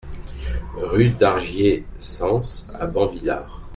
Rue d'Argiésans à Banvillars